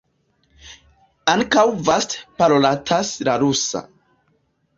Ankaŭ vaste parolatas la rusa.